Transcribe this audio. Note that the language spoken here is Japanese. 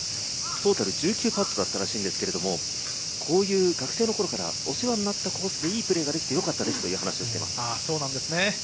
トータル１９パットだったらしいんですが、こういう学生の頃からお世話になったコースで良いプレーができてよかったですと話しています。